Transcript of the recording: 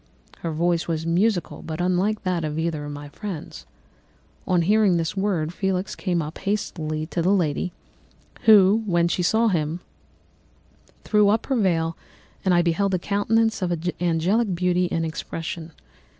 Her voice was musical but unlike that of either of my friends. On hearing this word, Felix came up hastily to the lady, who, when she saw him, threw up her veil, and I beheld a countenance of angelic beauty and expression.